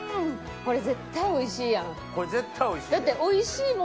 これ絶対おいしい！